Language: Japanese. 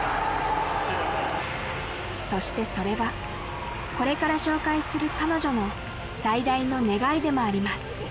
そしてそれはこれから紹介する彼女の最大の願いでもあります